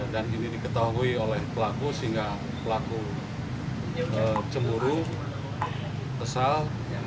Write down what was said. dan ini diketahui oleh pelaku sehingga pelaku cemburu kesal